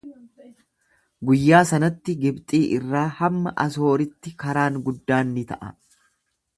Guyyaa sanatti Gibxii irraa hamma Asooritti karaan guddaan ni ta'a.